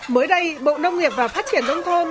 mới đây bộ nông nghiệp và phát triển đông thôn